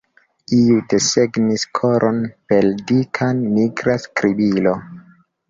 Iu desegnis koron per dika nigra skribilo.